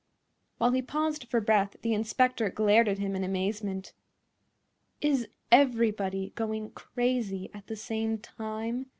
While he paused for breath the inspector glared at him in amazement. "Is everybody going crazy at the same time?"